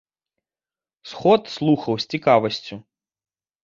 Сход слухаў з цікавасцю.